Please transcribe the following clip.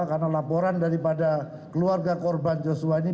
karena laporan daripada keluarga korban joshua ini